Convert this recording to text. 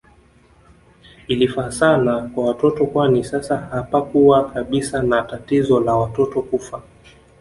Ilifaa sana kwa watoto kwani sasa hapakuwa kabisa na tatizo la watoto kufa